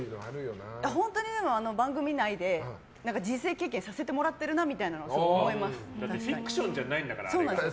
本当に番組内で人生経験させてもらってるなってすごい思います。